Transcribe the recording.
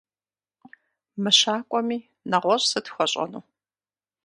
Мыщакӏуэми, нэгъуэщӏ сыт хуэщӏэну?